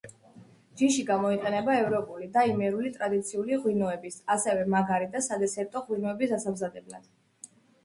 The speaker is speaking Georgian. ჯიში გამოიყენება ევროპული და იმერული ტრადიციული ღვინოების, ასევე მაგარი და სადესერტო ღვინოების დასამზადებლად.